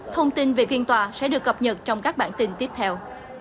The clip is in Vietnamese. thông tin về phiên tòa sẽ được cập nhật trong các bản tin tiếp theo